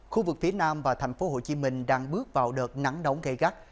khu vực phía nam và tp hcm đang bước vào đợt nắng đống gây gắt